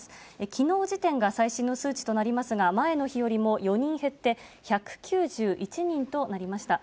きのう時点が最新の数値となりますが、前の日よりも４人減って、１９１人となりました。